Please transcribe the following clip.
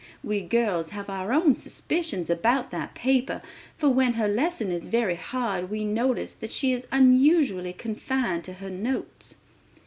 We girls have our own suspicions about that paper, for when her lesson is very hard we notice that she is unusually confined to her notes."